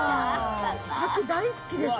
かき大好きです